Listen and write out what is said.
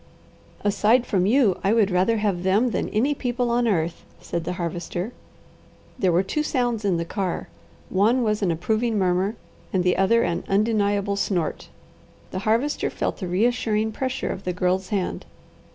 "Aside from you, I would rather have them than any people on earth," said the Harvester. There were two sounds in the car; one was an approving murmur, and the other an undeniable snort. The Harvester felt the reassuring pressure of the Girl's hand.